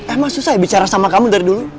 emang susah ya bicara sama kamu dari dulu